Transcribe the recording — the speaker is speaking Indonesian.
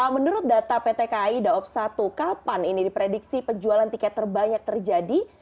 menurut data pt kai daob satu kapan ini diprediksi penjualan tiket terbanyak terjadi